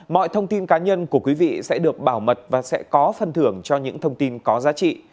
mọi thông tin cá nhân của quý vị sẽ được bảo mật và sẽ có phân thưởng cho những thông tin có giá trị